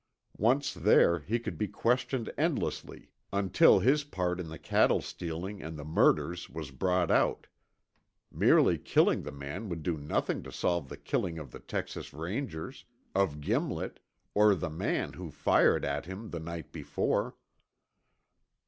Once there, he could be questioned endlessly until his part in the cattle stealing and the murders was brought out. Merely killing the man would do nothing to solve the killing of the Texas Rangers, of Gimlet, or the man who fired at him the night before.